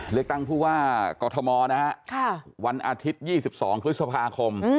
เลือกตั้งพูดว่ากรกธมณ์นะครับค่ะวันอาทิตย์ยี่สิบสองครุฑภาคม